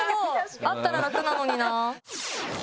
あったら楽なのになぁ。